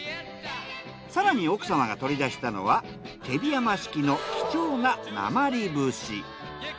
更に奥様が取り出したのは手火山式の貴重ななまり節。